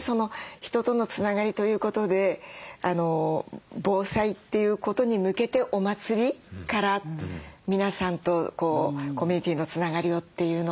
人とのつながりということで防災ということに向けてお祭りから皆さんとコミュニティーのつながりをっていうのも私感激しました。